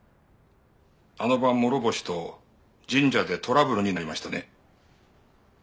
あの晩諸星と神社でトラブルになりましたね？